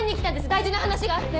大事な話があって。